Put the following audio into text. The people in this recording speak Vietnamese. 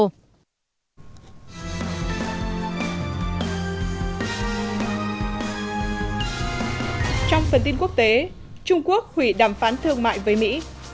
trong phần tin quốc tế trung quốc hủy đàm phán thương mại với mỹ